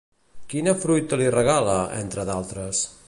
Quina fruita li regala, entre d'altres?